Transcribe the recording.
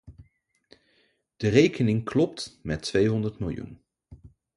De rekening klopt met tweehonderd miljoen.